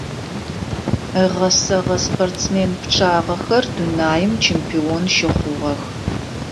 Ыгъэсэгъэ спортсмен пчъагъэхэр дунаим чемпион щыхъугъэх.